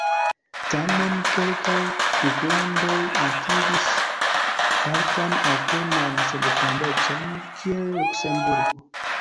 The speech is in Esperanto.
Tamen kelkaj duklandoj atingis partan aŭ plenan sendependecon, kiel Luksemburgo.